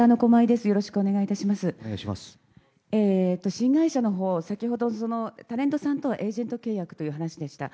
新会社のほう、先ほどタレントさんとはエージェント契約というお話でした。